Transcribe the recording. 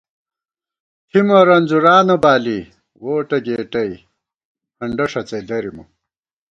تِھمہ رنځُورانہ بالی ووٹہ گېٹَئ ہنڈہ ݭڅَئ دَرِمہ